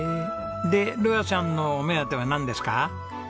で琉愛さんのお目当てはなんですか？